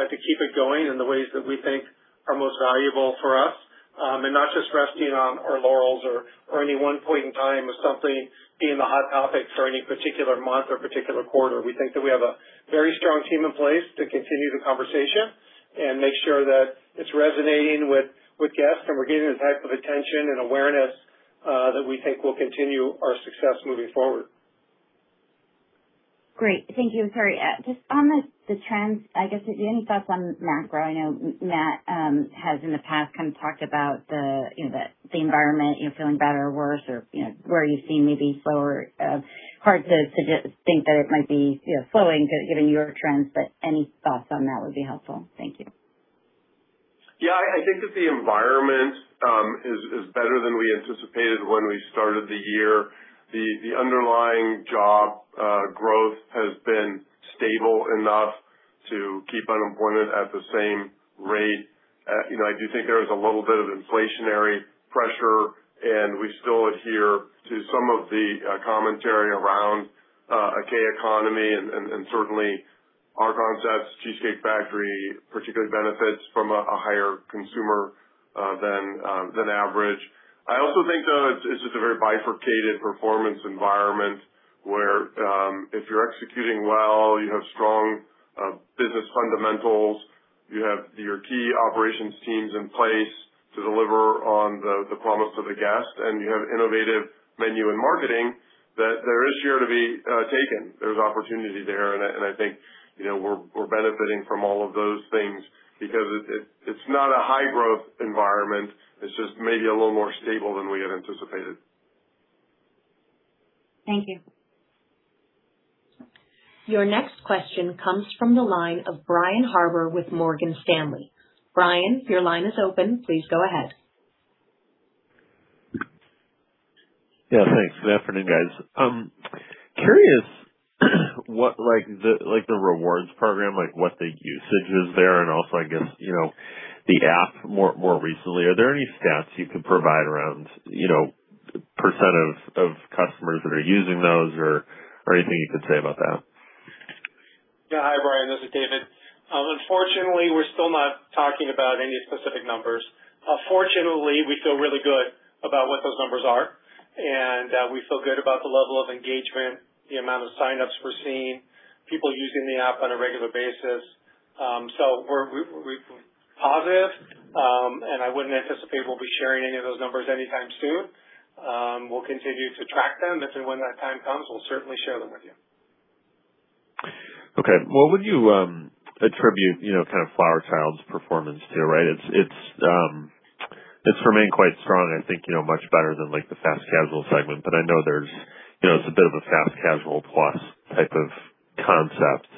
to keep it going in the ways that we think are most valuable for us, not just resting on our laurels or any one point in time of something being the hot topic for any particular month or particular quarter. We think that we have a very strong team in place to continue the conversation and make sure that it's resonating with guests, and we're getting the type of attention and awareness that we think will continue our success moving forward. Great. Thank you. Sorry. Just on the trends, I guess, any thoughts on macro? I know Matt has in the past kind of talked about the environment feeling better or worse or where are you seeing maybe slower. Hard to think that it might be slowing, given your trends, but any thoughts on that would be helpful. Thank you. Yeah, I think that the environment is better than we anticipated when we started the year. The underlying job growth has been stable enough to keep unemployment at the same rate. I do think there is a little bit of inflationary pressure, and we still adhere to some of the commentary around a K-shaped economy and certainly our concepts, The Cheesecake Factory particularly benefits from a higher consumer than average. I also think, though, it's just a very bifurcated performance environment where if you're executing well, you have strong business fundamentals. You have your key operations teams in place to deliver on the promise of the guest, and you have innovative menu and marketing that there is share to be taken. There's opportunity there, and I think we're benefiting from all of those things because it's not a high growth environment. It's just maybe a little more stable than we had anticipated. Thank you. Your next question comes from the line of Brian Harbour with Morgan Stanley. Brian, your line is open. Please go ahead. Yeah, thanks. Good afternoon, guys. Curious what the rewards program, what the usage is there and also, I guess, the app more recently. Are there any stats you could provide around percent of customers that are using those or anything you could say about that? Yeah. Hi, Brian, this is David. Unfortunately, we're still not talking about any specific numbers. Fortunately, we feel really good about what those numbers are, and we feel good about the level of engagement, the amount of sign-ups we're seeing, people using the app on a regular basis. We're positive, and I wouldn't anticipate we'll be sharing any of those numbers anytime soon. We'll continue to track them. If and when that time comes, we'll certainly share them with you. Okay. What would you attribute Flower Child's performance to? It's remained quite strong, I think much better than the fast-casual segment, but I know it's a bit of a fast-casual plus type of concept.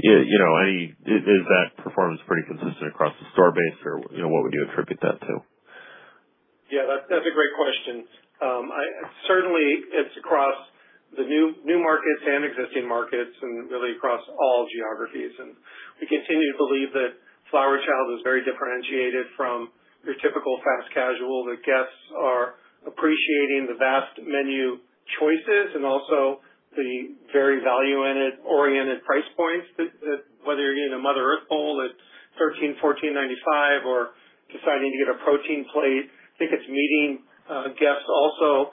Is that performance pretty consistent across the store base, or what would you attribute that to? Yeah, that's a great question. Certainly, it's across the new markets and existing markets and really across all geographies. We continue to believe that Flower Child is very differentiated from your typical fast-casual, that guests are appreciating the vast menu choices and also the very value-oriented price points, that whether you're getting a Mother Earth Bowl at $13-$14.95 or deciding to get a protein plate, I think it's meeting guests also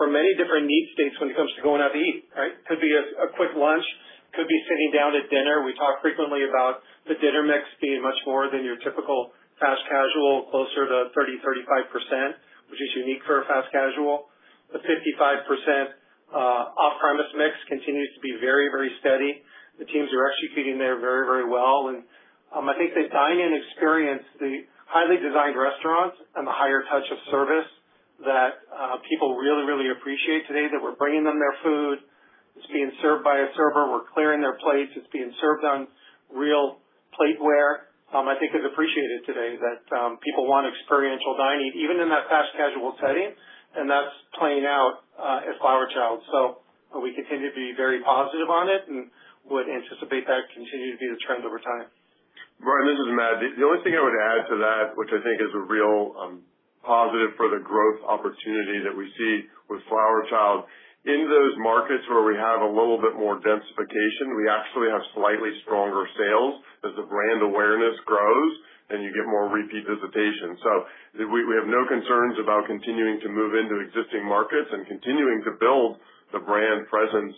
for many different need states when it comes to going out to eat, right? Could be a quick lunch, could be sitting down at dinner. We talk frequently about the dinner mix being much more than your typical fast-casual, closer to 30%-35%, which is unique for a fast-casual. The 55% off-premise mix continues to be very steady. The teams are executing there very well, and I think the dine-in experience, the highly designed restaurants and the higher touch of service that people really appreciate today, that we're bringing them their food, it's being served by a server, we're clearing their plates, it's being served on real plateware. I think is appreciated today, that people want experiential dining, even in that fast-casual setting, and that's playing out at Flower Child. We continue to be very positive on it and would anticipate that continue to be the trends over time. Brian, this is Matt. The only thing I would add to that, which I think is a real positive for the growth opportunity that we see with Flower Child, in those markets where we have a little bit more densification, we actually have slightly stronger sales as the brand awareness grows and you get more repeat visitation. We have no concerns about continuing to move into existing markets and continuing to build the brand presence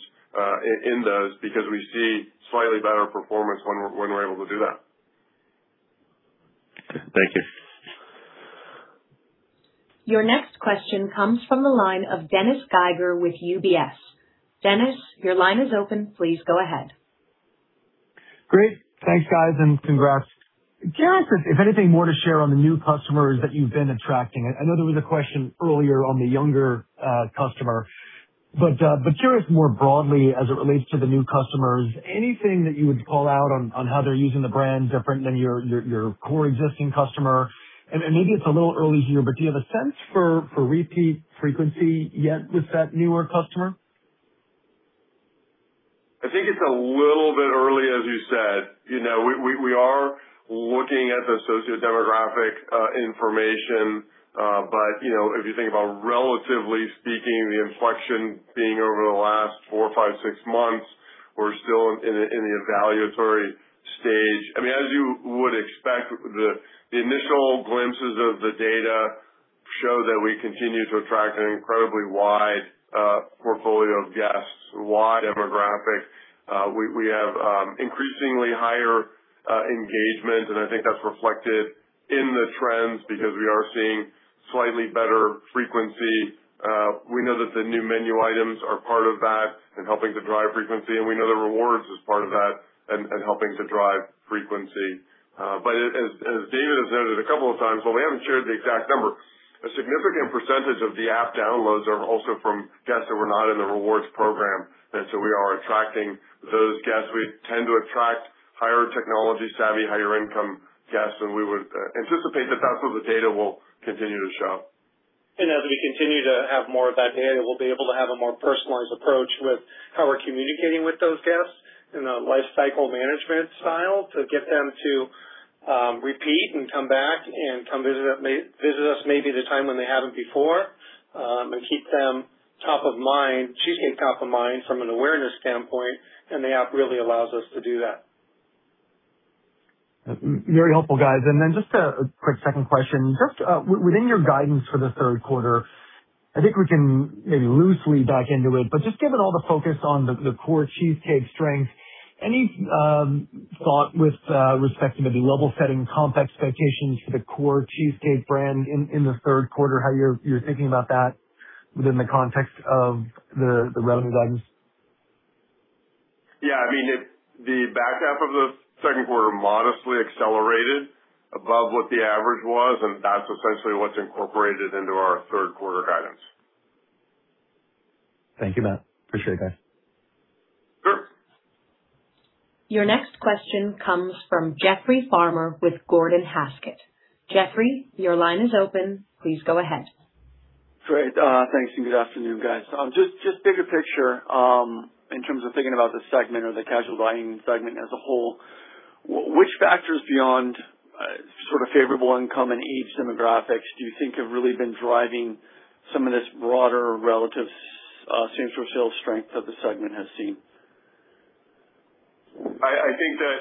in those because we see slightly better performance when we're able to do that. Thank you. Your next question comes from the line of Dennis Geiger with UBS. Dennis, your line is open. Please go ahead. Great. Thanks, guys, and congrats. Curious if you have anything more to share on the new customers that you've been attracting. I know there was a question earlier on the younger customer, but curious more broadly as it relates to the new customers, anything that you would call out on how they're using the brand different than your core existing customer? Maybe it's a little early here, but do you have a sense for repeat frequency yet with that newer customer? It's a little bit early, as you said. We are looking at the sociodemographic information. If you think about, relatively speaking, the inflection being over the last four, five, six months, we're still in the evaluatory stage. You would expect, the initial glimpses of the data show that we continue to attract an incredibly wide portfolio of guests, wide demographic. We have increasingly higher engagement, and I think that's reflected in the trends because we are seeing slightly better frequency. We know that the new menu items are part of that and helping to drive frequency, and we know the rewards is part of that and helping to drive frequency. As David has noted a couple of times, while we haven't shared the exact number, a significant percentage of the app downloads are also from guests that were not in the rewards program. We are attracting those guests. We tend to attract higher technology savvy, higher income guests, and we would anticipate that that's what the data will continue to show. As we continue to have more of that data, we'll be able to have a more personalized approach with how we're communicating with those guests in a lifecycle management style to get them to repeat and come back and come visit us maybe at a time when they haven't before, and keep them top of mind, Cheesecake top of mind from an awareness standpoint, and the app really allows us to do that. Very helpful, guys. Just a quick second question. Just within your guidance for the third quarter, I think we can maybe loosely dock into it, but just given all the focus on the core Cheesecake strength, any thought with respect to maybe level setting comp expectations for the core Cheesecake brand in the third quarter, how you're thinking about that within the context of the revenue guidance? Yeah. The back half of the second quarter modestly accelerated above what the average was, and that's essentially what's incorporated into our third quarter guidance. Thank you, Matt. Appreciate it, guys. Sure. Your next question comes from Jeff Farmer with Gordon Haskett. Jeff, your line is open. Please go ahead. Great. Thanks, good afternoon, guys. Bigger picture, in terms of thinking about the segment or the casual dining segment as a whole, which factors beyond sort of favorable income and age demographics do you think have really been driving some of this broader relative same-store sales strength that the segment has seen? I think that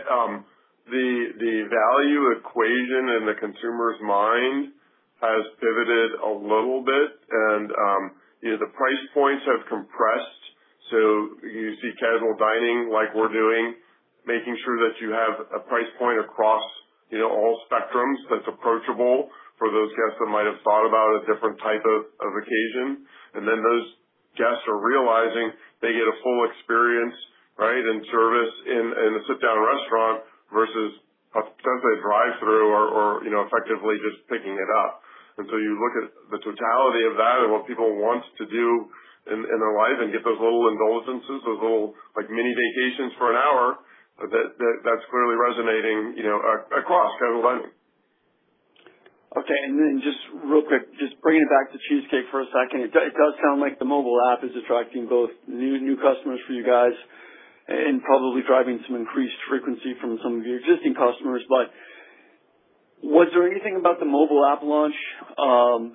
the value equation in the consumer's mind has pivoted a little bit the price points have compressed. You see casual dining, like we're doing, making sure that you have a price point across all spectrums that's approachable for those guests that might have thought about a different type of occasion. Then those guests are realizing they get a full experience and service in a sit-down restaurant versus a drive-through or effectively just picking it up. You look at the totality of that and what people want to do in their life and get those little indulgences, those little mini vacations for an hour, that's clearly resonating across casual dining. Okay. Just real quick, just bringing it back to Cheesecake for a second. It does sound like the mobile app is attracting both new customers for you guys and probably driving some increased frequency from some of your existing customers. Was there anything about the mobile app launch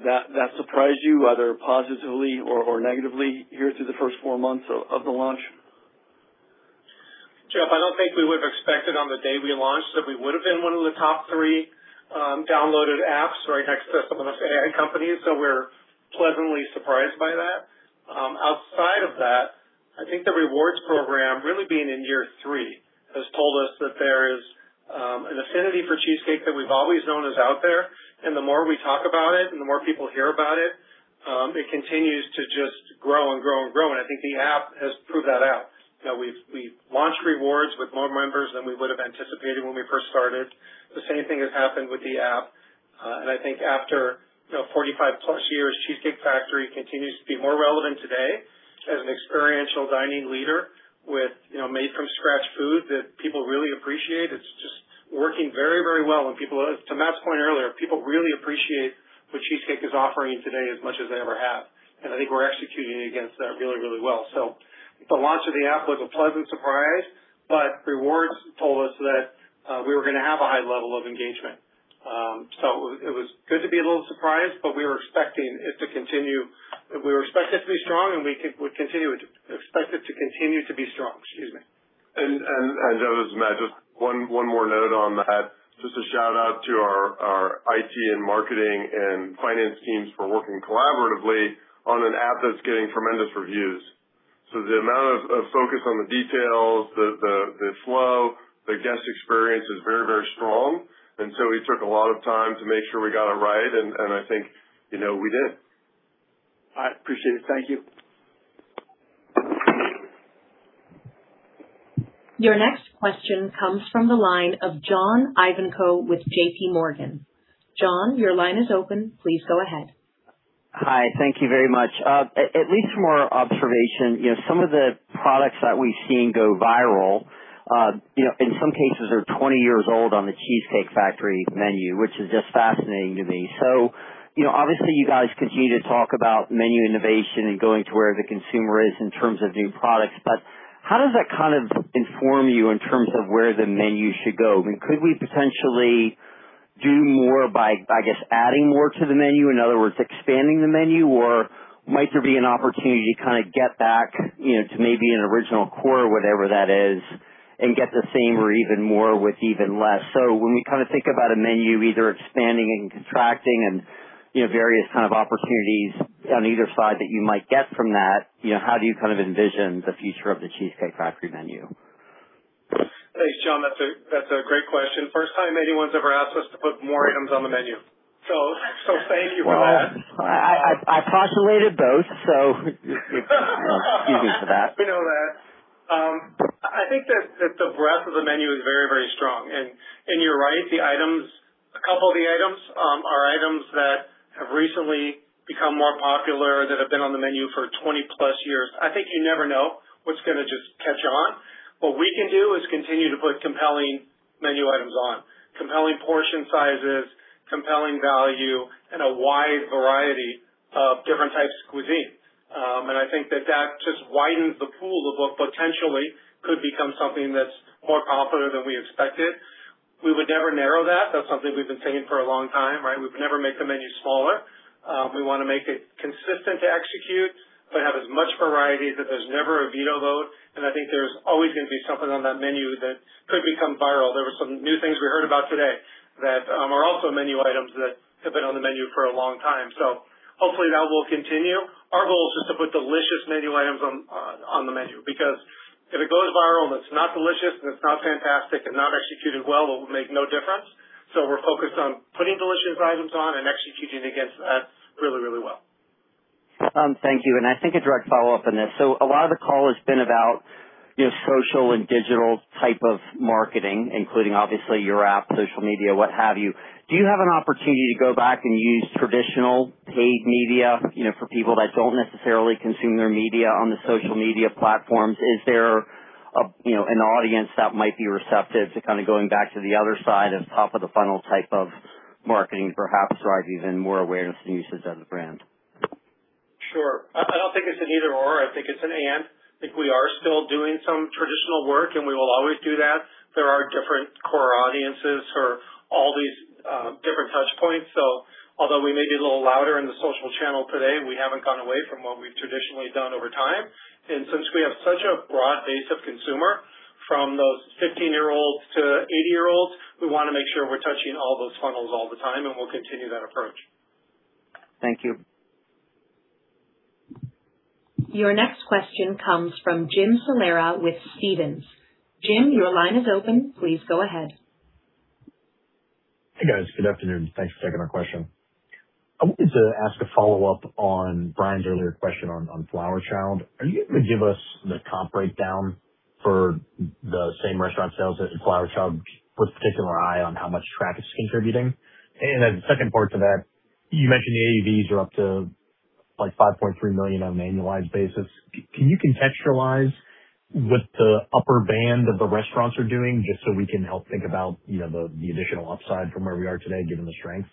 that surprised you, either positively or negatively here through the first four months of the launch? Jeff, I don't think we would've expected on the day we launched that we would've been one of the top three downloaded apps right next to some of the most companies. We're pleasantly surprised by that. Outside of that, I think the Rewards program really being in year three has told us that there is an affinity for Cheesecake that we've always known is out there, and the more we talk about it and the more people hear about it continues to just grow and grow and grow. I think the app has proved that out. We've launched Rewards with more members than we would've anticipated when we first started. The same thing has happened with the app. I think after 45+ years, Cheesecake Factory continues to be more relevant today as an experiential dining leader with made-from-scratch food that people really appreciate. It's just working very well. To Matt's point earlier, people really appreciate what Cheesecake is offering today as much as they ever have. I think we're executing against that really well. The launch of the app was a pleasant surprise, but Rewards told us that we were going to have a high level of engagement. It was good to be a little surprised, but we were expecting it to continue. We expect it to be strong. We expect it to continue to be strong. Excuse me. Jeff, this is Matt. Just one more note on the app. Just a shout-out to our IT and marketing and finance teams for working collaboratively on an app that's getting tremendous reviews. The amount of focus on the details, the flow, the guest experience is very strong. We took a lot of time to make sure we got it right. I think we did. All right. Appreciate it. Thank you. Your next question comes from the line of John Ivankoe with JPMorgan. John, your line is open. Please go ahead. Hi. Thank you very much. At least from our observation, some of the products that we've seen go viral In some cases, they're 20 years old on The Cheesecake Factory menu, which is just fascinating to me. Obviously, you guys continue to talk about menu innovation and going to where the consumer is in terms of new products, but how does that kind of inform you in terms of where the menu should go? Could we potentially do more by, I guess, adding more to the menu, in other words, expanding the menu? Or might there be an opportunity to kind of get back to maybe an original core, whatever that is, and get the same or even more with even less? When we think about a menu, either expanding and contracting and various kind of opportunities on either side that you might get from that, how do you kind of envision the future of The Cheesecake Factory menu? Thanks, John. That's a great question. First time anyone's ever asked us to put more items on the menu. Thank you for that. Well, I postulated both, excuse me for that. We know that. I think that the breadth of the menu is very, very strong. You're right, a couple of the items are items that have recently become more popular that have been on the menu for 20+ years. I think you never know what's going to just catch on. What we can do is continue to put compelling menu items on, compelling portion sizes, compelling value, and a wide variety of different types of cuisine. I think that that just widens the pool of what potentially could become something that's more popular than we expected. We would never narrow that. That's something we've been saying for a long time, right? We've never made the menu smaller. We want to make it consistent to execute, have as much variety that there's never a veto vote, I think there's always going to be something on that menu that could become viral. There were some new things we heard about today that are also menu items that have been on the menu for a long time. Hopefully that will continue. Our goal is just to put delicious menu items on the menu, because if it goes viral and it's not delicious and it's not fantastic and not executed well, it will make no difference. We're focused on putting delicious items on and executing against that really, really well. Thank you. I think a direct follow-up on this. A lot of the call has been about social and digital type of marketing, including obviously your app, social media, what have you. Do you have an opportunity to go back and use traditional paid media for people that don't necessarily consume their media on the social media platforms? Is there an audience that might be receptive to kind of going back to the other side of top-of-the-funnel type of marketing, perhaps drive even more awareness and usage of the brand? Sure. I don't think it's an either/or. I think it's an and. I think we are still doing some traditional work. We will always do that. There are different core audiences for all these different touch points. Although we may be a little louder in the social channel today, we haven't gone away from what we've traditionally done over time. Since we have such a broad base of consumer, from those 15-year-olds-80-year-olds, we want to make sure we're touching all those funnels all the time, and we'll continue that approach. Thank you. Your next question comes from Jim Salera with Stephens. Jim, your line is open. Please go ahead. Hey, guys. Good afternoon. Thanks for taking our question. I wanted to ask a follow-up on Brian's earlier question on Flower Child. Are you able to give us the comp breakdown for the same restaurant sales at Flower Child with a particular eye on how much traffic it's contributing? Second part to that, you mentioned the AUVs are up to like $5.3 million on an annualized basis. Can you contextualize what the upper band of the restaurants are doing just so we can help think about the additional upside from where we are today, given the strength?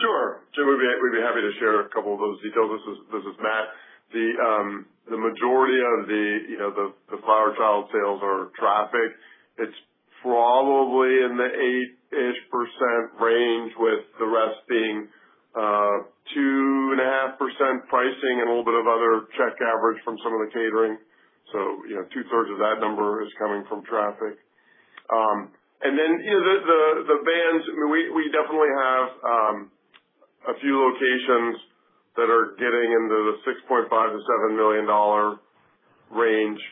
Sure. Jim, we'd be happy to share a couple of those details. This is Matt. The majority of the Flower Child sales are traffic. It's probably in the 8-ish% range, with the rest being 2.5% pricing and a little bit of other check average from some of the catering. 2/3 of that number is coming from traffic. The bands, we definitely have a few locations that are getting into the $6.5 million-$7 million range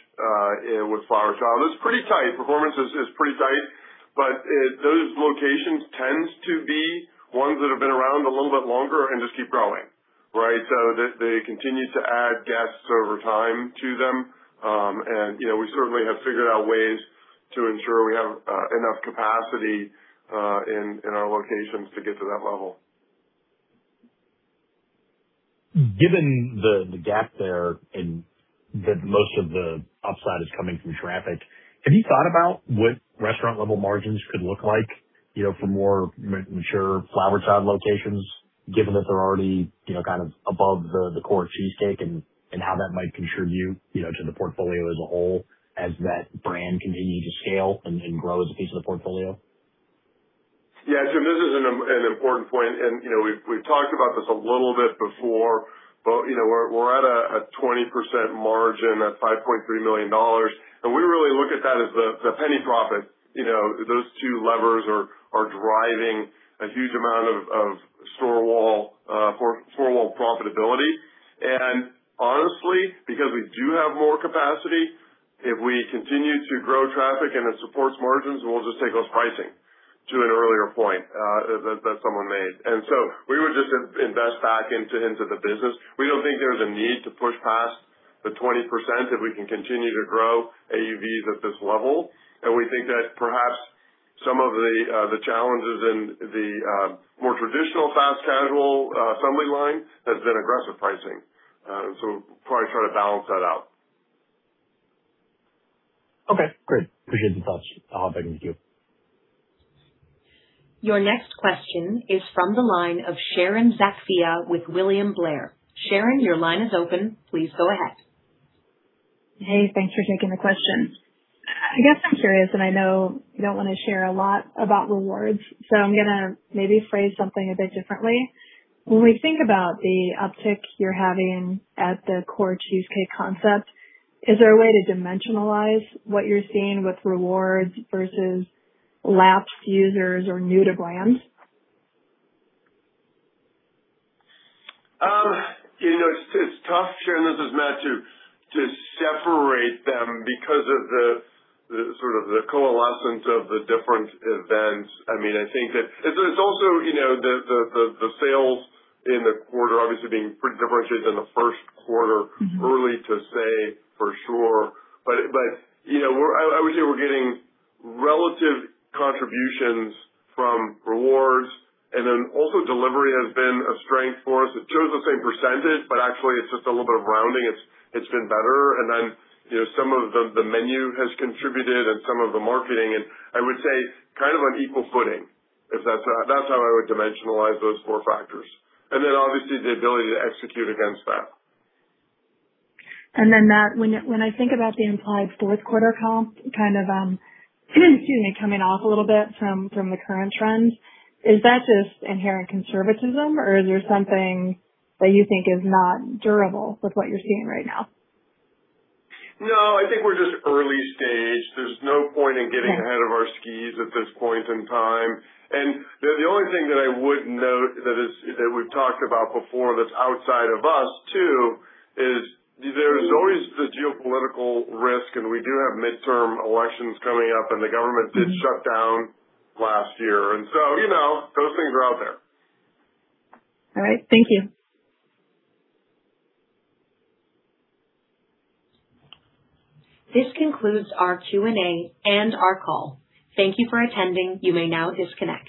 with Flower Child. It's pretty tight. Performance is pretty tight, but those locations tends to be ones that have been around a little bit longer and just keep growing, right? They continue to add guests over time to them. We certainly have figured out ways to ensure we have enough capacity in our locations to get to that level. Given the gap there and that most of the upside is coming from traffic, have you thought about what restaurant-level margins could look like for more mature Flower Child locations, given that they're already kind of above the core cheesecake and how that might contribute to the portfolio as a whole as that brand continue to scale and grow as a piece of the portfolio? Yeah, Jim, this is an important point, we've talked about this a little bit before, we're at a 20% margin at $5.3 million. We really look at that as the penny profit. Those two levers are driving a huge amount of four-wall profitability. Honestly, because we do have more capacity, if we continue to grow traffic and it supports margins, we'll just take less pricing to an earlier point that someone made. We would just invest back into the business. We don't think there's a need to push past the 20% if we can continue to grow AUVs at this level. We think that perhaps some of the challenges in the more traditional fast-casual assembly line has been aggressive pricing. Probably try to balance that out. Okay, great. Appreciate the thoughts. I'll hop back with you. Your next question is from the line of Sharon Zackfia with William Blair. Sharon, your line is open. Please go ahead. Hey, thanks for taking the question. I guess I'm curious. I know you don't want to share a lot about rewards. I'm going to maybe phrase something a bit differently. When we think about the uptick you're having at the core cheesecake concept, is there a way to dimensionalize what you're seeing with rewards versus lapsed users or new to brand? It's tough, Sharon, this is Matt, to separate them because of the coalescence of the different events. I think that it's also the sales in the quarter obviously being pretty differentiated in the first quarter. Early to say for sure. I would say we're getting relative contributions from rewards, and then also delivery has been a strength for us. It shows the same percentage, but actually it's just a little bit of rounding. It's been better. Some of the menu has contributed and some of the marketing, and I would say kind of on equal footing. That's how I would dimensionalize those four factors. Obviously the ability to execute against that. Matt, when I think about the implied fourth quarter comp, excuse me, coming off a little bit from the current trends. Is that just inherent conservatism or is there something that you think is not durable with what you're seeing right now? No, I think we're just early stage. There's no point in getting ahead of our skis at this point in time. The only thing that I would note that we've talked about before that's outside of us too, is there's always the geopolitical risk, and we do have midterm elections coming up, and the government did shut down last year. So those things are out there. All right. Thank you. This concludes our Q&A and our call. Thank you for attending. You may now disconnect.